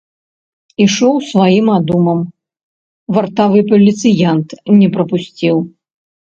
Ішоў сваім адумам, вартавы паліцыянт не прапусціў.